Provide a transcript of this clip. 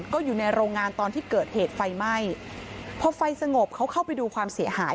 ก็อยู่ในโรงงานตอนที่เกิดเหตุไฟไหม้พอไฟสงบเขาเข้าไปดูความเสียหาย